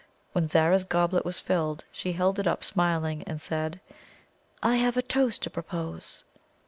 When Zara's goblet was filled, she held it up smiling, and said: "I have a toast to propose."